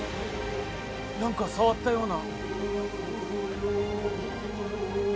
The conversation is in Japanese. なんか触ったような。